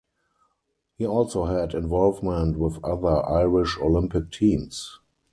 He also had involvement with other Irish Olympic teams.